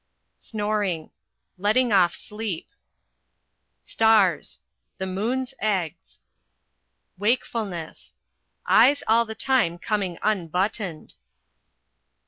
Snoring Letting off sleep. Stars The moon's eggs. Wakefulness Eyes all the time coming unbuttoned.